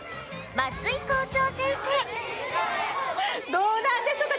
どうなんでしょうか？